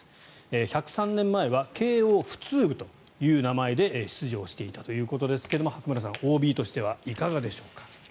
１０３年前は慶応普通部という名前で出場していたということですが白村さんＯＢとしてはいかがでしょうか。